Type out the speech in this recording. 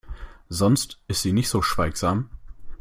Sonst ist sie nicht so schweigsam.